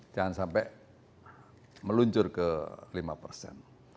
jangan sampai meluncur ke lima persen